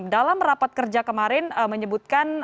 dalam rapat kerja kemarin menyebutkan